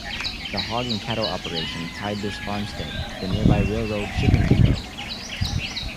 The hog and cattle operation tied this farmstead to the nearby railroad shipping depot.